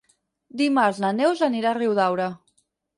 Dimarts na Neus anirà a Riudaura.